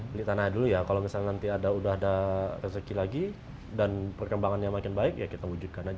beli tanah dulu ya kalau misalnya nanti ada udah ada rezeki lagi dan perkembangannya makin baik ya kita wujudkan aja